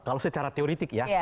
kalau secara teoritik ya